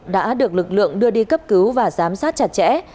đã được lực lượng đưa đi cấp cứu và giám sát chặt chẽ